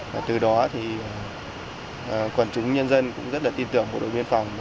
và từ đó thì quản chúng nhân dân cũng rất là tin tưởng